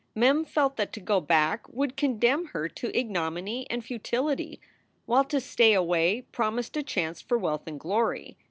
Mem felt that to go back would condemn her to ignominy and futility, while to stay away promised a chance for wealth and glory.